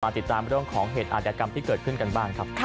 ติดตามเรื่องของเหตุอาจยกรรมที่เกิดขึ้นกันบ้างครับ